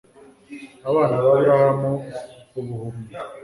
abana ba Aburahamu ubuhumyi.